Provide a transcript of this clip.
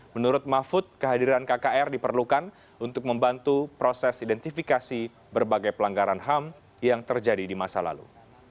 menurut mahfud kehadiran kkr diperlukan untuk membantu proses identifikasi berbagai pelanggaran ham yang terjadi di masa lalu